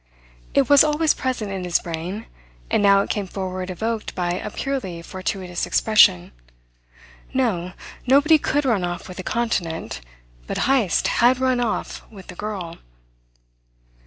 It was always present in his brain, and now it came forward evoked by a purely fortuitous expression. No, nobody could run off with a continent; but Heyst had run off with the girl!